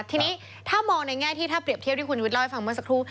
อันนี้ถ้ามองในแง่ที่เตรียบเทียบที่คุณคุณวิทุธเล่าให้ฟังมาสักครู่